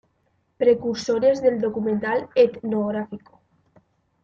Precursores del documental etnográfico.